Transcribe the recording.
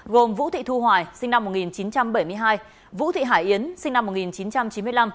gồm vũ thị thu hoài sinh năm một nghìn chín trăm bảy mươi hai vũ thị hải yến sinh năm một nghìn chín trăm chín mươi năm